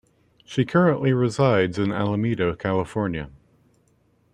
She currently resides in Alameda, California.